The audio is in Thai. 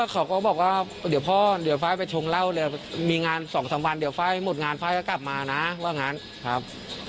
เขาก็บอกว่าเดี๋ยวพ่อเดี๋ยวไฟล์ไปชงเหล้าเลยมีงาน๒๓วันเดี๋ยวไฟล์หมดงานไฟล์ก็กลับมานะว่างั้นครับ